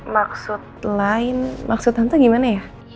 maksud lain maksud hanta gimana ya